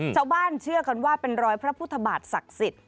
เชื่อกันว่าเป็นรอยพระพุทธบาทศักดิ์สิทธิ์